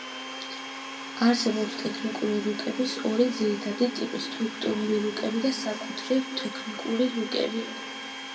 არსებობს ტექტონიკური რუკების ორი ძირითადი ტიპი: სტრუქტურული რუკები და საკუთრივ ტექტონიკური რუკები.